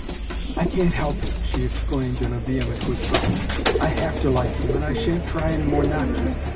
"I can't help it!" she exclaimed in a vehement whisper. "I have to like him, and I shan't try any more not to!